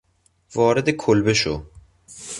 وارد کلبه شو